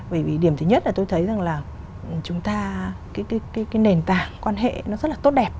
bởi vì điểm thứ nhất là tôi thấy rằng là chúng ta cái nền tảng quan hệ nó rất là tốt đẹp